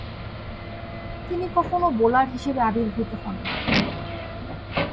তিনি কখনো বোলার হিসেবে আবির্ভূত হননি।